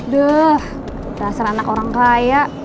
duh dasar anak orang kaya